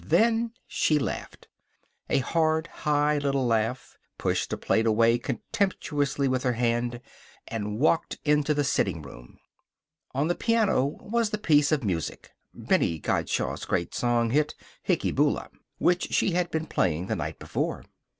Then she laughed, a hard high little laugh, pushed a plate away contemptuously with her hand, and walked into the sitting room. On the piano was the piece of music (Bennie Gottschalk's great song hit, "Hicky Boola") which she had been playing the night before.